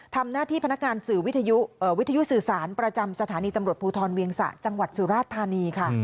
ทำหน้าที่พนักงานสื่อวิทยุสื่อสารประจำสถานีตำรวจภูทรเวียงสะจังหวัดสุราชธานีค่ะ